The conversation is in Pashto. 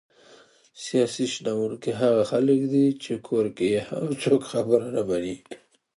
سیاسي شنونکي هغه خلک دي چې کور کې یې هم څوک خبره نه مني!